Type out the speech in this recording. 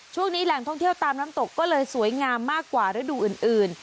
ช่วงนี้แหล่งท่องเที่ยวตามน้ำตกก็เลยสวยงามมากกว่าฤดูอื่น